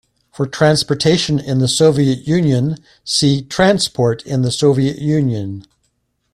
For transportation in the Soviet Union, see Transport in the Soviet Union.